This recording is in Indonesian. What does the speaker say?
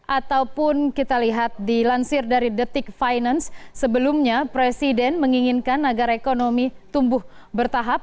ataupun kita lihat dilansir dari detik finance sebelumnya presiden menginginkan agar ekonomi tumbuh bertahap